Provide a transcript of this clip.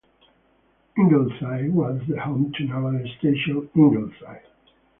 Ingleside was the home to Naval Station Ingleside.